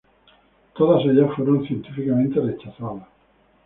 Todas ellas fueron científicamente rechazadas.